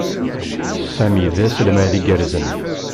Sami d aselmad iggerzen.